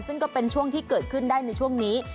ซึ่งก็เป็นช่วงที่เกิดขึ้นได้ในช่วงนี้